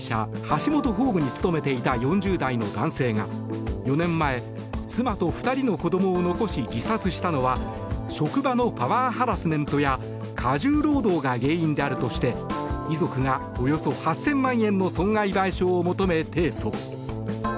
ハシモトホームに勤めていた４０代の男性が４年前、妻と２人の子供を残し自殺したのは職場のパワーハラスメントや過重労働が原因であるとして遺族が、およそ８０００万円の損害賠償を求め提訴。